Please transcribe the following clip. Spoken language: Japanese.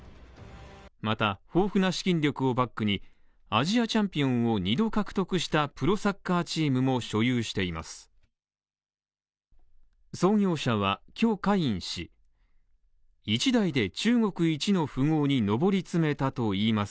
また豊富な資金力をバックにアジアチャンピオンを２度獲得したプロサッカーチームも所有しています。